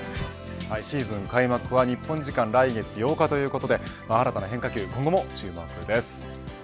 シーズン開幕は日本時間、来月８日ということで新たな変化球、今後も注目です。